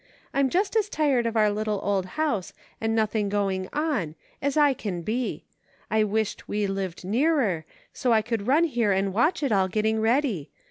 I'm just as tired of our little old house, and nothing going on, as I can be. I wished we lived nearer, so I couU run here and watch it all, getting ready.